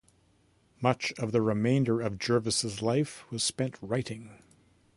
Much of the remainder of Jervis's life was spent writing.